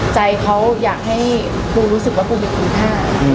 ใจเขาอยากให้ปูรู้สึกว่าปูมีคุณค่า